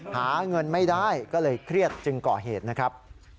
หาเงินไม่ได้ก็เลยเครียดจึงก่อเหตุนะครับ